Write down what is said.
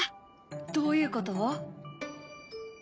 どういうこと？